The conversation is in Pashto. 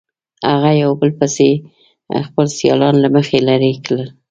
هغه یو په بل پسې خپل سیالان له مخې لرې کړل.